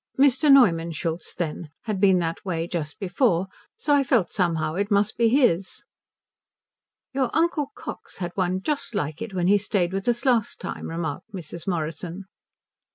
"Mr. Neumann Schultz, then, had been that way just before, and so I felt somehow it must be his." "Your Uncle Cox had one just like it when he stayed with us last time," remarked Mrs. Morrison.